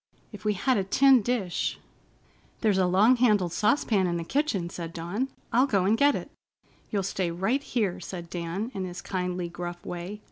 If we had a tin dish——" "There's a long handled saucepan in the kitchen," said Dawn. "I'll go and get it." "You'll stay right here," said Dan, in his kindly, gruff way.